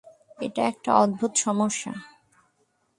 এটা একটা অদ্ভুত সমস্যা।